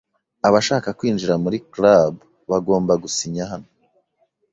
Abashaka kwinjira muri club bagomba gusinya hano.